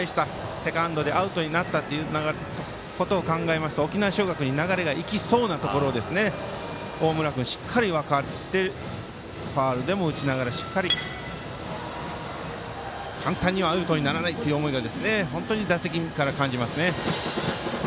セカンドでアウトになったということを考えますと沖縄尚学に流れがいきそうなところを大村君、しっかり分かって簡単にはアウトにならないという思いが本当に打席から感じます。